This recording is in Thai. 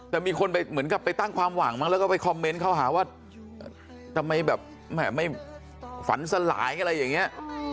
แต่มีคนไปเหมือนกับไปตั้งความหวังมั้งแล้วก็ไปคอมเมนต์เขาหาว่าทำไมแบบไม่ฝันสลายอะไรอย่างนี้